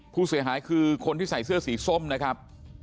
ผู้เสียหายคือคนที่ใส่เสื้อสีส้มนะครับ